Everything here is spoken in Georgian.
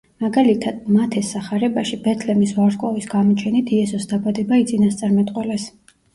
მაგალითად, მათეს სახარებაში ბეთლემის ვარსკვლავის გამოჩენით იესოს დაბადება იწინასწარმეტყველეს.